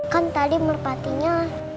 kan tadi merpatinya